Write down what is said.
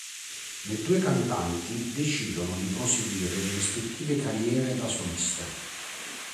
Le due cantanti decidono di proseguire le rispettive carriere da soliste.